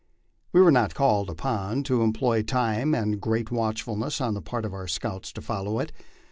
We were not called upon to employ time and great watchfulness on the part of our scouts to follow it.